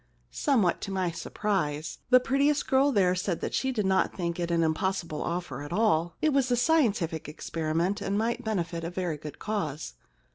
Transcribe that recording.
Somewhat to my surprise the prettiest girl there said that she did not think it an impossible offer at all. It was a scien tific experiment and might benefit a very good cause.